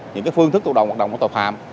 những phương thức tự động hoạt động của tòa phạm